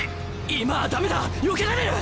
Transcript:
今はダメだよけられる。